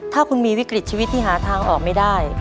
ถ้าคุณมีวิกฤตชีวิตที่หาทางออกไม่ได้